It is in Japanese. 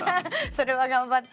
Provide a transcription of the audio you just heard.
それは頑張って。